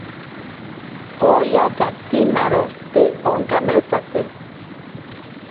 Kooya katsimaro te onkameetsate.